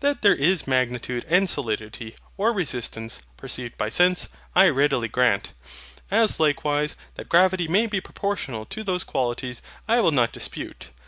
That there is magnitude and solidity, or resistance, perceived by sense, I readily grant; as likewise, that gravity may be proportional to those qualities I will not dispute.